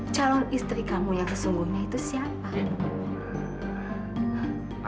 calon istri kamu yang sesungguhnya itu siapa